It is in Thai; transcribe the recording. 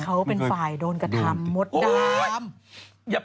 เขาเป็นฝ่ายโดนกระทำมดดำ